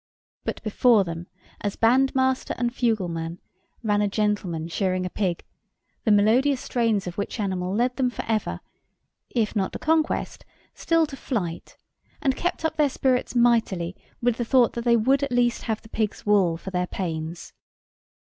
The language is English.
But before them, as bandmaster and fugleman, ran a gentleman shearing a pig; the melodious strains of which animal led them for ever, if not to conquest, still to flight; and kept up their spirits mightily with the thought that they would at least have the pig's wool for their pains.